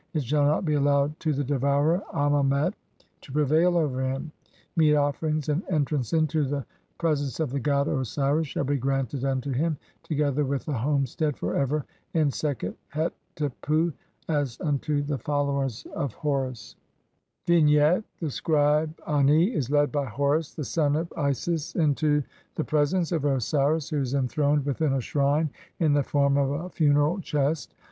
It shall not be allowed to the devourer Amemet "to prevail over him. Meat offerings and entrance into the pre sence of the god Osiris shall be granted unto him, together with "a homestead for ever in Sekhet hetepu, 1 as unto the followers "of Horus." Vignette : The scribe Ani is led by Horus, the son of Isis, into the pre sence of Osiris who is enthroned within a shrine in the form of a funeral chest.